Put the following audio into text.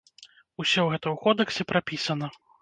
Усё гэта ў кодэксе прапісана.